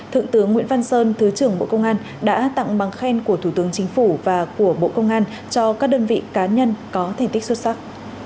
thượng tướng nguyễn văn sơn thứ trưởng bộ công an đã tặng bằng khen của thủ tướng chính phủ và của bộ công an cho các đơn vị cá nhân có thành tích xuất sắc